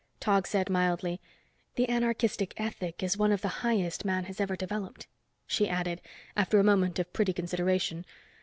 Tog said mildly, "The anarchistic ethic is one of the highest man has ever developed." She added, after a moment of pretty consideration.